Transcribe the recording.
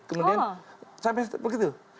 kemudian sampai begitu